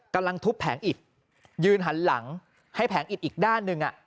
กำลังทุบแผงอิดยืนหันหลังให้แผงอิดอีกด้านหนึ่ง